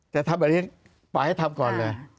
จะทำอะไรปล่อยให้ทำก่อนเลย